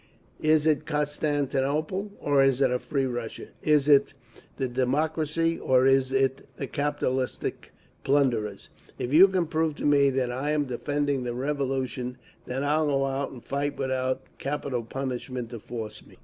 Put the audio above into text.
Is it Constantinople, or is it free Russia? Is it the democracy, or is it the capitalist plunderers? If you can prove to me that I am defending the Revolution then I'll go out and fight without capital punishment to force me.